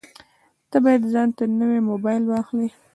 ته باید ځانته نوی مبایل واخلې